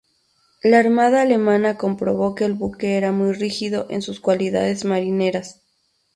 La armada alemana comprobó que el buque era muy rígido en sus cualidades marineras.